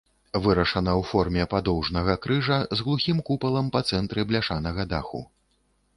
Вырашана ў форме падоўжнага крыжа з глухім купалам па цэнтры бляшанага даху.